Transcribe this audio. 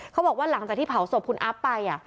เขาบอกว่าหลังจากที่เผาศพคุณอับไป